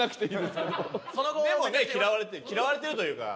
でもね嫌われて嫌われてるというか。